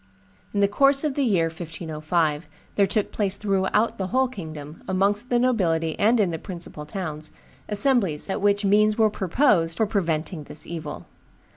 In the course of the year 1505 there took place throughout the whole kingdom, amongst the nobility and in the principal towns, assemblies at which means were proposed for preventing this evil.